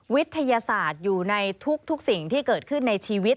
วิทยาศาสตร์อยู่ในทุกสิ่งที่เกิดขึ้นในชีวิต